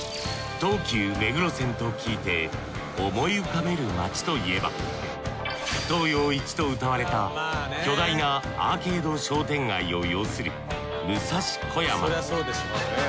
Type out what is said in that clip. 東急目黒線と聞いて思い浮かべる街といえば東洋一とうたわれた巨大なアーケード商店街を擁する武蔵小山